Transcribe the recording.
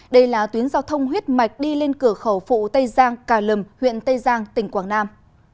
đây là tuyến giao thông huyết mạch đi lên cửa khẩu phụ tây giang cà lâm huyện tây giang tỉnh quảng nam